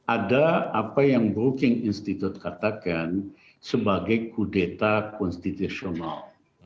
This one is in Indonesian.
ada apa yang brooking institute katakan sebagai kudeta konstitusional